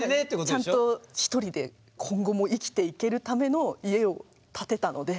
ちゃんと１人で今後も生きていけるための家を建てたので。